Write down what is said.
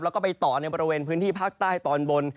แล้วก็ไปต่อในบริเวณพื้นที่ภาคใต้ตอนบน